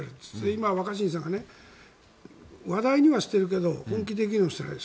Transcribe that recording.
今、若新さんが話題にはしているけれど本気で議論していない。